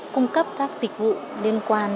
cung cấp các dịch vụ liên quan